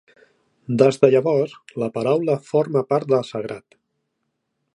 Des de llavors la paraula forma part del sagrat.